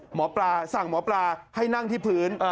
หมอปลาสั่งหมอปลาให้นั่งที่พื้น